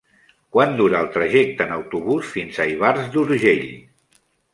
Quant dura el trajecte en autobús fins a Ivars d'Urgell?